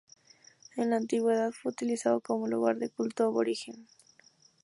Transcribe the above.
En la antigüedad fue utilizado como lugar de culto aborigen.